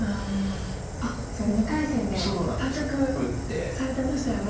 あっ２回戦で対局されてましたよね。